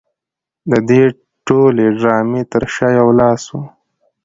د دې ټولې ډرامې تر شا یو لاس و